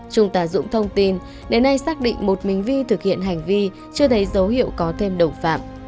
trung tá dũng thông tin đến nay xác định một mình vi thực hiện hành vi chưa thấy dấu hiệu có thêm đồng phạm